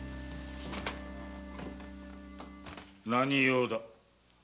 何用だ？